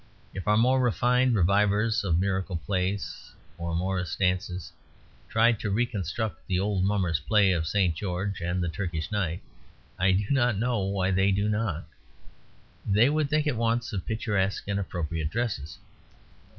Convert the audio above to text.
If our more refined revivers of Miracle Plays or Morrice Dances tried to reconstruct the old Mummers' Play of St. George and the Turkish Knight (I do not know why they do not) they would think at once of picturesque and appropriate dresses.